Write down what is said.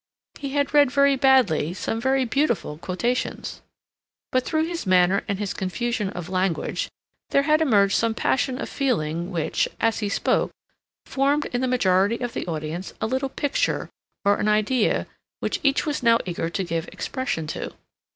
He had read very badly some very beautiful quotations. But through his manner and his confusion of language there had emerged some passion of feeling which, as he spoke, formed in the majority of the audience a little picture or an idea which each now was eager to give expression to.